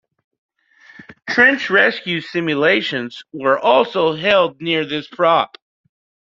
Trench rescue simulations were also held near this prop.